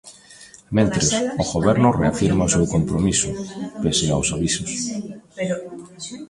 Mentres, o Goberno reafirma o seu compromiso pese aos avisos.